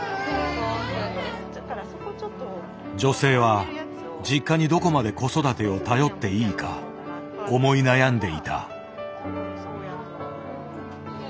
女性は実家にどこまで子育てを頼っていいか思い悩んでいた。